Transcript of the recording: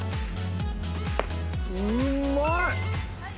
うまい！